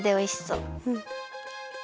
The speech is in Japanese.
うん。